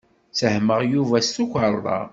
Ttehmeɣ Yuba s tukerḍa.